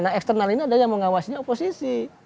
nah eksternal ini ada yang mengawasinya oposisi